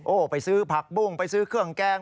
โอ้โหไปซื้อผักบุ้งไปซื้อเครื่องแกง